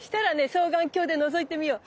双眼鏡でのぞいてみよう。